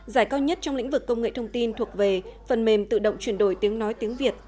giải cao nhất trong lĩnh vực công nghệ thông tin thuộc về phần mềm tự động chuyển đổi tiếng nói tiếng việt